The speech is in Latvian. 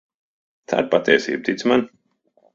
Tā ir patiesība, tici man.